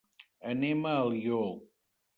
Anem a Alió.